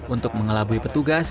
untuk mengelabui petugas